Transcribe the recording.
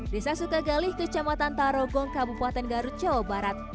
desa sukagali kecamatan tarogong kabupaten garut jawa barat